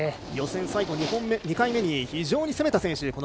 予選２回目に非常に攻めた選手。